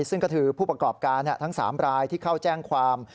ซึ่งก็คือผู้ประกอบการทั้ง๓รายที่เข้าแจ้งความ